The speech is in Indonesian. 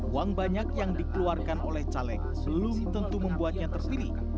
uang banyak yang dikeluarkan oleh caleg belum tentu membuatnya terpilih